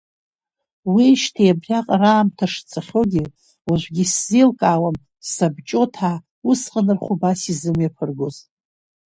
Уиижьҭеи абриаҟара аамҭа шцахьоугьы, уажәгьы исзеилкаауам сабҷоҭаа усҟан рхы убас изымҩаԥыргоз…